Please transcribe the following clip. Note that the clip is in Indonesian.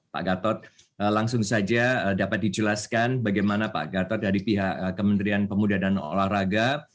pak gatot langsung saja dapat dijelaskan bagaimana pak gatot dari pihak kementerian pemuda dan olahraga